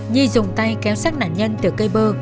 nhi dùng tay kéo sát nạn nhân từ cây bơ